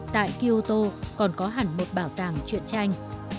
tại kyoto còn có hẳn một bảo tàng chuyện tranh